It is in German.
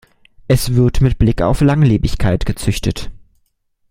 Es wird mit Blick auf Langlebigkeit gezüchtet.